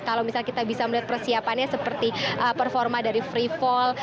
kalau misalnya kita bisa melihat persiapannya seperti performa dari free fall